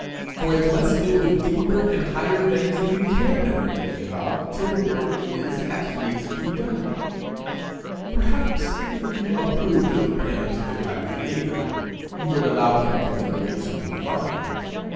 For it must deal with deeper and higher things than you can know anything of till the work is at least begun. Perhaps if you approved of the plans of the glad creator, you would allow him to make of you something divine!